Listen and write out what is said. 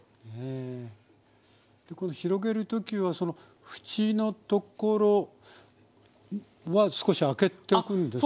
でこれ広げる時は縁の所は少し空けておくんですか？